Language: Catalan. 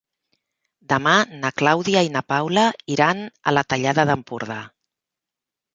Demà na Clàudia i na Paula iran a la Tallada d'Empordà.